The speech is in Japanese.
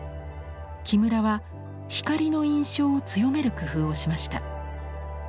木村は光の印象を強める工夫をしました。